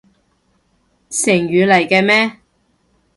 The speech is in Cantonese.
成語嚟嘅咩？